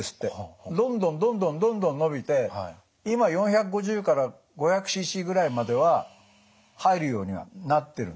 どんどんどんどんどんどん伸びて今４５０から５００ｃｃぐらいまでは入るようになってるんですね。